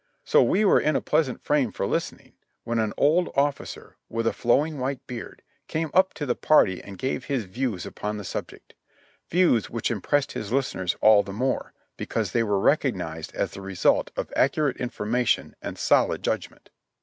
So we were in a pleasant frame for listening, when an old officer, with a flowing w^hite beard, came up to the party and gave his views upon the subject — views which impressed his listeners all the more, because they were recognized as the result of accurate information and solid judgment.